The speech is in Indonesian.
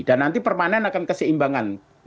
dan nanti permanen akan keseimbangan